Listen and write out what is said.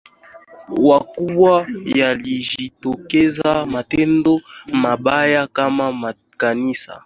wakubwa yalijitokeza matendo mabaya kama makanisa